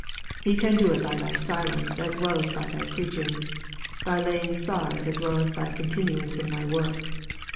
He can do it by thy silence as well as by thy preaching; the laying aside as well as thy continuance in thy work.